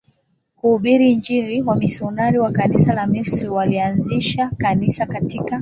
kuhubiri Injili Wamisionari wa Kanisa la Misri walianzisha Kanisa katika